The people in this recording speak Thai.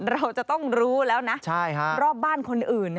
เราจะต้องรู้แล้วนะรอบบ้านคนอื่น